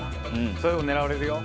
そういうとこ狙われるよ。